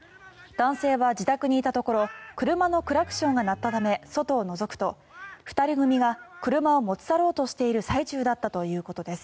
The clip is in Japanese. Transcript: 男性は自宅にいたところ車のクラクションが鳴ったため外をのぞくと２人組が車を持ち去ろうとしている最中だったということです。